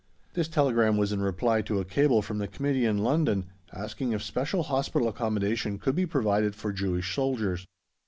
This telegram was in reply to a cable from the Committee in London asking if special hospital accommodation could be provided for Jewish soldiers.